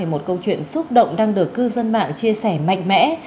một câu chuyện xúc động đang được cư dân mạng chia sẻ mạnh mẽ